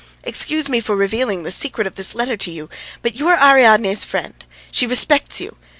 "Excuse me for revealing the secret of this letter to you, but you are Ariadne's friend, she respects you.